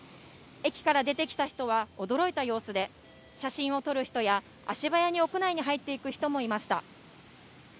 駅から出てきた人は驚いた様子で、写真を撮る人や、足早に屋内に入っていく人もいました。